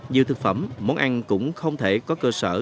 nhiều thực phẩm món ăn cũng không thể có cơ sở